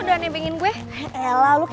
ingatlah dari ke videos berikutnya